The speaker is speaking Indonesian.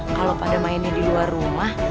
kalau pada mainnya di luar rumah